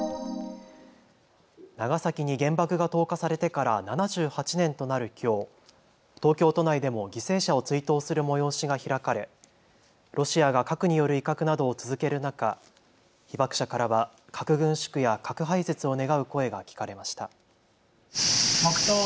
長崎に原爆が投下されてから７８年となるきょう東京都内でも犠牲者を追悼する催しが開かれロシアが核による威嚇などを続ける中、被爆者からは核軍縮や核廃絶を願う声が聞かれました。